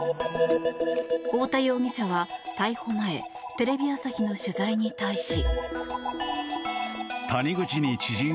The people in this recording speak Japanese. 太田容疑者は逮捕前テレビ朝日の取材に対し。